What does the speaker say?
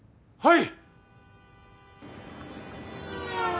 はい。